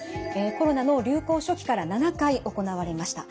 コロナの流行初期から７回行われました。